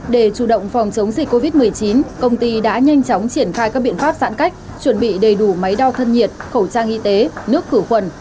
để chủ động phòng chống dịch covid một mươi chín công ty đã nhanh chóng triển khai các biện pháp giãn cách chuẩn bị đầy đủ máy đo thân nhiệt khẩu trang y tế nước khử khuẩn